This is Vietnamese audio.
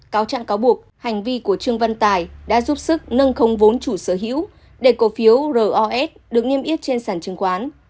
cáo trạng cáo buộc hành vi của trương văn tài đã giúp sức nâng không vốn chủ sở hữu để cổ phiếu ros được niêm yết trên sản chứng khoán